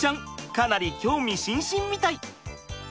かなり興味津々みたい！